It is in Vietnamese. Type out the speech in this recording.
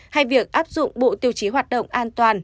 hay việc áp dụng bộ tiêu chí hoạt động an toàn